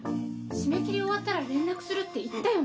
締め切り終わったら連絡するって言ったよね！？